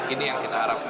ini yang kita harapkan